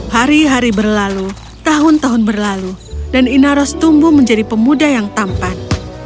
hari hari berlalu tahun tahun berlalu dan inaros tumbuh menjadi pemuda yang tampan